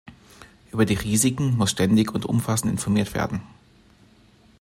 Über die Risiken muss ständig und umfassend informiert werden.